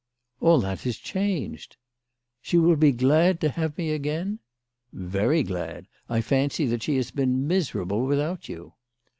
" All that is changed." "She will be glad to have me again ?"" Very glad. I fancy that she has been miserable without you."